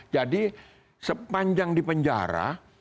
jadi sepanjang di penjara